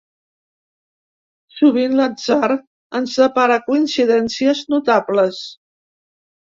Sovint l'atzar ens depara coincidències notables.